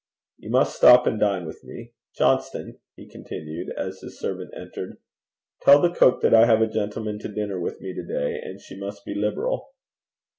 'You must stop and dine with me. Johnston,' he continued, as his servant entered, 'tell the cook that I have a gentleman to dinner with me to day, and she must be liberal.'